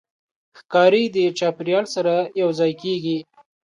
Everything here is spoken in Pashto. ښکاري د چاپېریال سره یوځای کېږي.